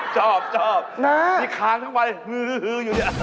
ชอบน้ามีคาทั้งวันฮืออยู่นี่